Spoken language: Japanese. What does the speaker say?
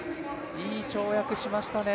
いい跳躍しましたね